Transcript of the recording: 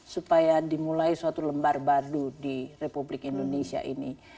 supaya dimulai suatu lembar badu di republik indonesia ini